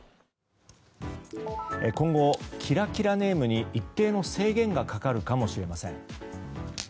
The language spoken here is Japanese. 今後、キラキラネームに一定の制限がかかるかもしれません。